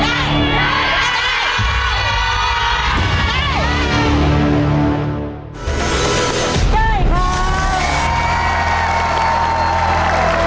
ได้